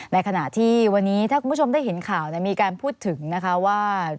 ในขณะที่วันนี้ถ้าคุณผู้ชมได้เห็นข่าวมีการพูดถึงนะคะว่า